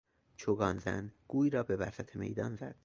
چوگان زن گوی را به وسط میدان زد.